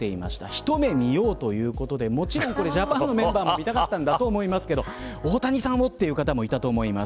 一目見ようということでもちろん、ジャパンのメンバーも見たかったんだと思いますけど大谷さんを、という方もいたんだと思います。